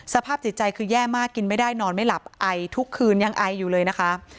สภาพจิตใจคือแย่มากกินไม่ได้นอนไม่หลับไอทุกคืนยังไออยู่เลยนะคะ